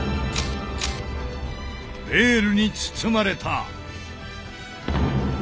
ベールに包まれた。